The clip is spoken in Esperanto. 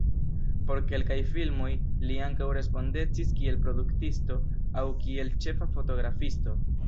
Por kelkaj filmoj li ankaŭ respondecis kiel produktisto aŭ kiel ĉefa fotografisto.